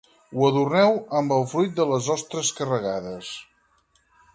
Ho adorneu amb el fruit de les ostres carregades.